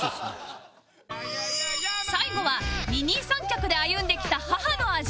最後は二人三脚で歩んできた母の味